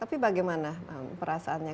tapi bagaimana perasaannya